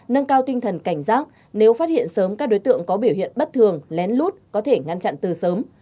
nâng cao tinh thần cảnh giác nếu phát hiện sớm các đối tượng có biểu hiện bất thường lén lút có thể ngăn chặn từ sớm